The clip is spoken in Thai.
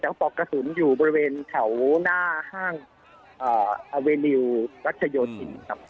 แต่ปอกกระสุนอยู่บริเวณแถวหน้าห้างอาเวนิวรัชโยธินครับ